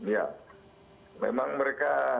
ya memang mereka